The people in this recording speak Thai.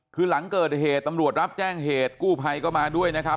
คือหลังเกิดเหตุตำรวจรับแจ้งเหตุกู้ภัยก็มาด้วยนะครับ